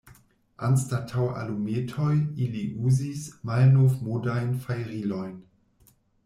Anstataŭ alumetoj ili uzis malnovmodajn fajrilojn.